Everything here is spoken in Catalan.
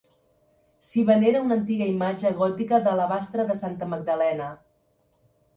S'hi venera una antiga imatge gòtica d'alabastre de Santa Magdalena.